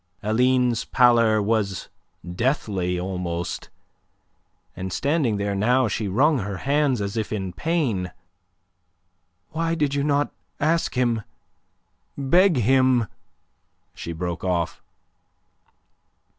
Aline's pallor was deathly almost, and standing there now she wrung her hands as if in pain. "Why did you not ask him beg him..." She broke off.